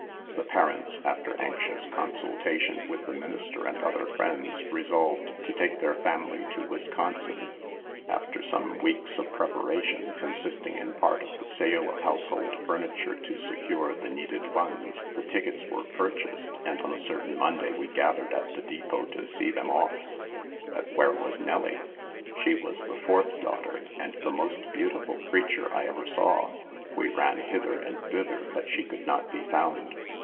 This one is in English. The parents, after anxious consultation with the minister and other friends, resolved to take their family to Wisconsin. After some SAVE THE GIRLS. weeks of preparation, consisting in part of the sale of household furniture to secure the needed funds, the tickets were purchased, and on a certain Monday we gathered at the dopot to see them off. "But where was Nelly? She was the fourth daughter, and the most beautiful crea ture I ever saw. We ran hither and thither, but she could not be found.